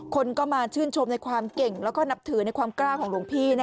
คนก็มาชื่นชมในความเก่งแล้วก็นับถือในความกล้าของหลวงพี่